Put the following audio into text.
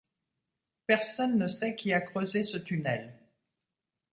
Personne ne sait qui a creusé ce tunnel.